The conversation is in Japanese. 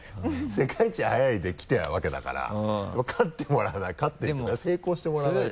世界一速いで来たわけだからもう勝ってもらわないと勝ってっていうかね成功してもらわないと。